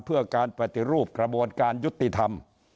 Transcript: เพื่อการปฏิรูปกระบวนการยุติธรรม